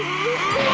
あ！